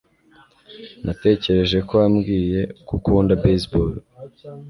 Natekereje ko wambwiye ko ukunda baseball